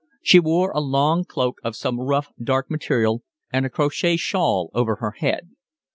She wore a long cloak of some rough, dark material and a crochet shawl over her head.